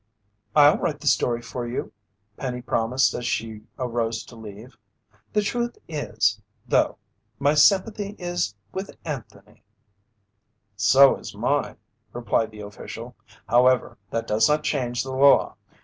"I'll write the story for you," Penny promised as she arose to leave. "The truth is, though, my sympathy is with Anthony." "So is mine," replied the official. "However, that does not change the law.